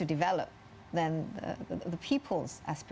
masalah yang terjadi